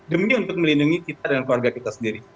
demi untuk melindungi kita dan keluarga kita sendiri